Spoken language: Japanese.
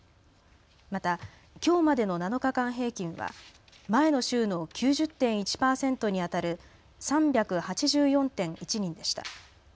また、きょうまでの７日間平均は前の週の９０．１％にあたる３８４．１人でした。